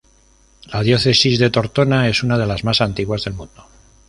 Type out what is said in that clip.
La diócesis de Tortona es una de la más antiguas del mundo.